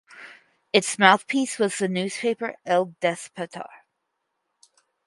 Its mouthpiece was the newspaper "El Despertar".